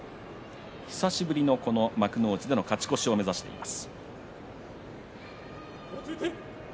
久しぶりの幕内での勝ち越しを目指しています。